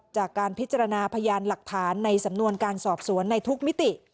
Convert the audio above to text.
จากการพิจารณาพยานหลักฐานในสำนวนการสอบสวนในทุกมิติ